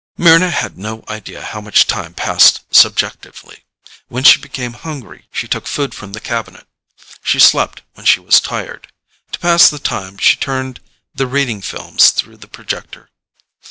Mryna had no idea how much time passed subjectively. When she became hungry, she took food from the cabinet. She slept when she was tired. To pass the time, she turned the reading films through the projector.